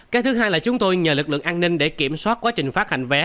cái thứ hai là chúng tôi nhờ lực lượng an ninh để kiểm soát quá trình phát hành vé